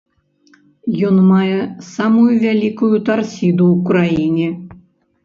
Ён мае самую вялікую тарсіду ў краіне.